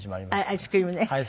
アイスクリームね。